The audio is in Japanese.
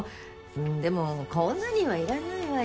でもこんなにはいらないわよ。